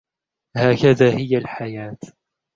هكذا هي الحياة.